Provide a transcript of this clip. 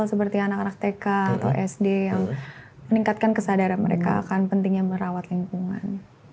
seperti anak anak tk atau sd yang meningkatkan kesadaran mereka akan pentingnya merawat lingkungan